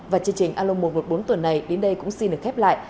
và chương trình alo một trăm một mươi bốn tuần này đến đây cũng xin được khép lại